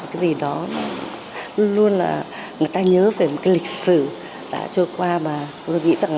cái gì đó luôn luôn là người ta nhớ về một cái lịch sử đã trôi qua mà tôi nghĩ rằng